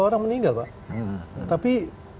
orang meninggal pak tapi